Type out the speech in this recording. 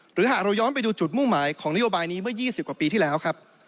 หากเราย้อนไปดูจุดมุ่งหมายของนโยบายนี้เมื่อ๒๐กว่าปีที่แล้วครับ